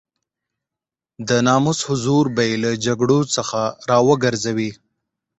د ناموس حضور به يې له جګړو څخه را وګرځوي.